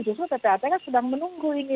justru ppatk kan sedang menunggu ini